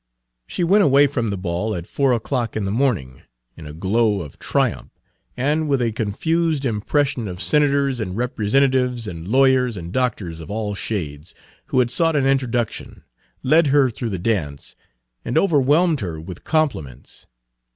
She went away from the ball, at four o'clock in the morning, in a glow of triumph, and with a confused impression of senators and representatives and Page 104 lawyers and doctors of all shades, who had sought an introduction, led her through the dance, and overwhelmed her with compliments.